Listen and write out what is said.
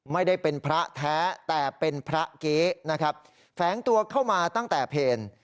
ไม่ได้เป็นพระแท้แต่เป็นพระเก๊นะครับแฝงตัวเข้ามาตั้งแต่เพล